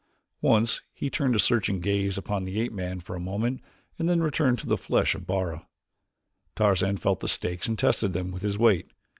Once he turned a searching gaze upon the ape man for a moment and then returned to the flesh of Bara. Tarzan felt of the stakes and tested them with his weight.